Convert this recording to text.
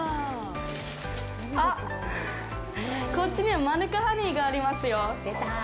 あっ、こっちにはマヌカハニーがありますよ。